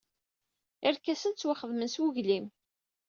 Irkasen ttwaxdamen s weglim.